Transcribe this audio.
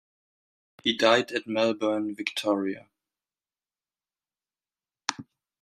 He died at Melbourne, Victoria.